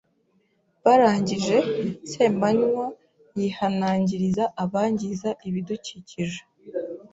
Barangije, Semanywa yihanangiriza abangiza ibidukikije.